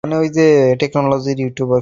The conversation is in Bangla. হ্যা তো, তুমি কি চোরাশিকারীদের বিরুদ্ধে?